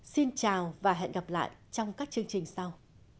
xin chào và hẹn gặp lại trong các chương trình sau